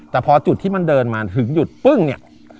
แต่พอจุดที่มันเดินมาถึงหยุดปึ้งเนี่ย